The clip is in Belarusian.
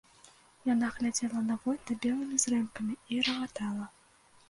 Яна глядзела на войта белымі зрэнкамі і рагатала.